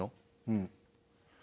うん。